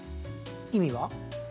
意味は？